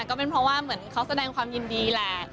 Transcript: ก็เป็นเพราะว่าเหมือนเขาแสดงความยินดีแหละ